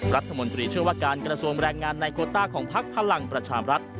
รัฐมนตรีเชื่อว่าการกระทรวงแรงงานในโคต้าของพักพลังประชามรัฐ